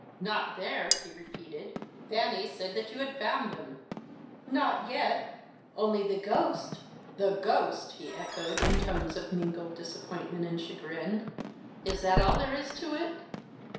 "Not there!" he repeated. "Fanny said that you had found them." "Not yet; only the ghost " "The ghost!" he echoed, in tones of mingled disappointment and chagrin. "Is that all there is to it?"